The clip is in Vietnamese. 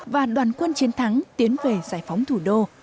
và đoàn quân chiến thắng tiến về giải phóng thủ đô